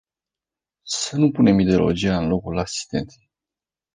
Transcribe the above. Să nu punem ideologia în locul asistenței.